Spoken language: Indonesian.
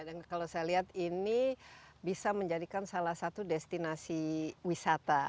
dan kalau saya lihat ini bisa menjadikan salah satu destinasi wisata